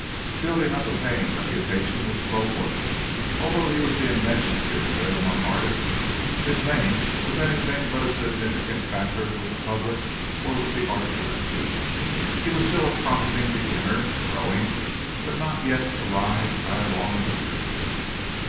Building up a paying reputation was slow work. Although he was being mentioned here and there among artists, his name was anything but a significant factor with the public or with the Art Directors. He was still a promising beginner growing, but not yet arrived by a long distance.